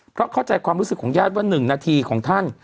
เพราะเข้าใจความรู้สึกของญาติว่า๑นาทีของท่าน